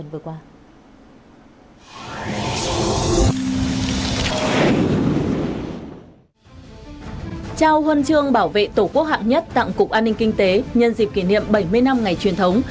trao huân chương bảo vệ tổ quốc hạng nhất tặng cục an ninh kinh tế nhân dịp kỷ niệm bảy mươi năm ngày truyền thống